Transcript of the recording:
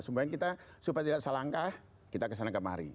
semuanya kita supaya tidak salah langkah kita kesana kemari